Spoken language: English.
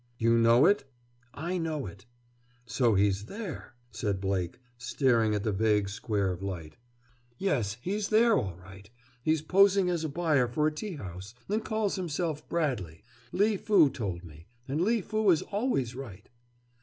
"You know it?" "I know it." "So he's there?" said Blake, staring at the vague square of light. "Yes, he's there, all right. He's posing as a buyer for a tea house, and calls himself Bradley. Lee Fu told me; and Lee Fu is always right."